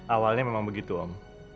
awalnya memang begitu om